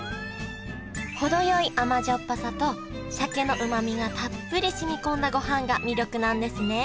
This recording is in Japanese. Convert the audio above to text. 程よい甘じょっぱさと鮭のうまみがたっぷりしみこんだごはんが魅力なんですねは